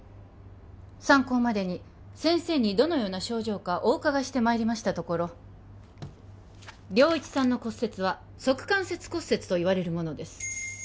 参考までに先生にどのような症状かお伺いしてまいりましたところ良一さんの骨折は足関節骨折といわれるものです